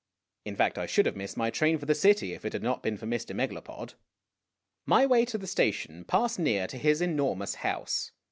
In fact, I should have missed my train for the city if it had not been for Mr. Megalopod. My way to the station passed near to his enormous house.